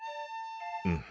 うん。